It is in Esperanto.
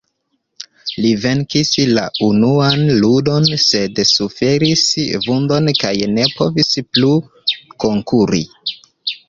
Li venkis la unuan ludon, sed suferis vundon kaj ne povis plu konkuri.